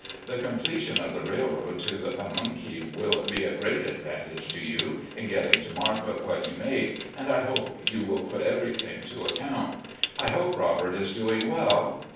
The completion of the railroad to the Pamunkey will be a great advantage to you in getting to market what you make, and I hope you will put everjrthing to account. I hope Robert is doing well.